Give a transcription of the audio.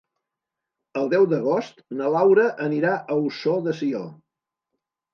El deu d'agost na Laura anirà a Ossó de Sió.